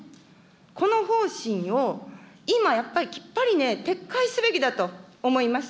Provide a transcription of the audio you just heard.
この方針を今やっぱりきっぱり撤回すべきだと思います。